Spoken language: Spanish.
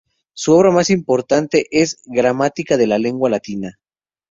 Su obra más importante es "Gramática de la lengua latina.